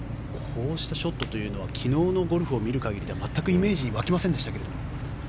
こうしたショットというのは昨日のゴルフを見る限りでは全くイメージ湧きませんでしたけど